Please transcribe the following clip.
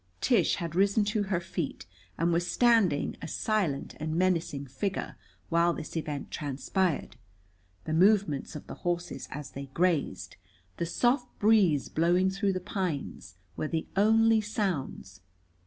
Tish had risen to her feet and was standing, a silent and menacing figure, while this event transpired. The movements of the horses as they grazed, the soft breeze blowing through the pines, were the only sounds.